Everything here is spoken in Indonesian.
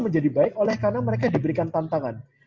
menjadi baik oleh karena mereka diberikan tantangan